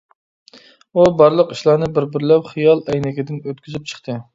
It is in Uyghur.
ئۇ بارلىق ئىشلارنى بىر-بىرلەپ خىيال ئەينىكىدىن ئۆتكۈزۈپ چىقتى.